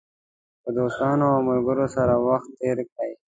که دوستانو او ملګرو سره وخت تېر کړئ.